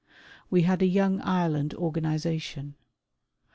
We had a Young Ireland Organization.